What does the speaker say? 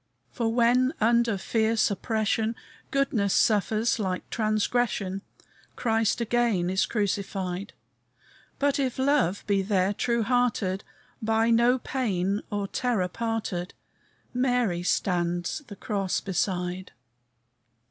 "For, when under fierce oppression, Goodness suffers like transgression, Christ again is crucified; But if love be there true hearted, By no pain or terror parted, Mary stands the cross beside!"